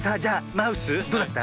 マウスどうだった？